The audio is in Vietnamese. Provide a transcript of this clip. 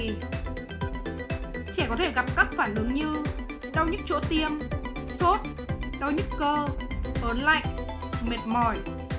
trẻ có thể gặp các phản ứng như đau nhức chỗ tiêm sốt đau nhức cơ tốn lạnh mệt mỏi